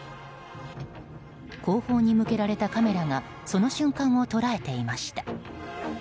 後方に向けられたカメラがその瞬間を捉えていました。